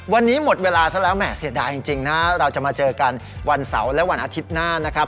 วันนี้หมดเวลาซะแล้วแหม่เสียดายจริงนะเราจะมาเจอกันวันเสาร์และวันอาทิตย์หน้านะครับ